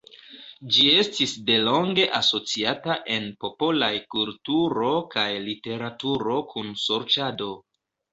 Ĝi estis delonge asociata en popolaj kulturo kaj literaturo kun sorĉado.